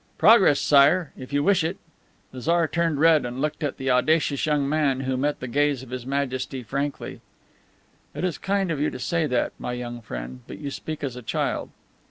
"Progress, Sire! If you wish it." The Tsar turned red and looked at the audacious young man, who met the gaze of His Majesty frankly. "It is kind of you to say that, my young friend. But you speak as a child."